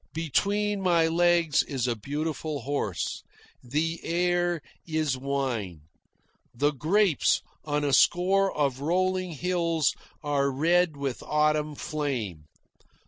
Between my legs is a beautiful horse. The air is wine. The grapes on a score of rolling hills are red with autumn flame.